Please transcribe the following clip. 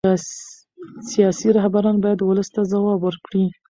سیاسي رهبران باید ولس ته ځواب ورکړي